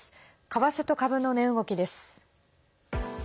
為替と株の値動きです。